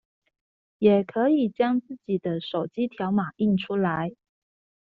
也可以將自己的手機條碼印出來